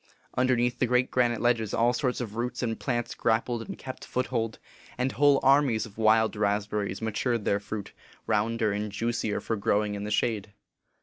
Underneath the great granite ledges, all sorts of roots and plants grappled and kept foothold ; and whole armies of wild raspberries ma tured their fruit, rounder and juicier for growing in the shade.